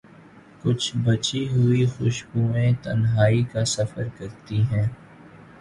کچھ بچی ہوئی خوشبویں تنہائی کا سفر کرتی ہیں۔